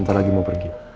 ntar lagi mau pergi